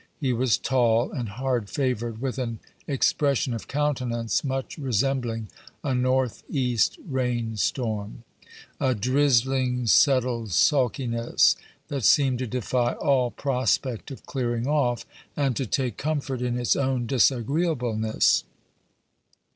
He was tall and hard favored, with an expression of countenance much resembling a north east rain storm a drizzling, settled sulkiness, that seemed to defy all prospect of clearing off, and to take comfort in its own disagreeableness.